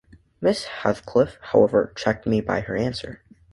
Mrs. Heathcliff, however, checked me by her answer.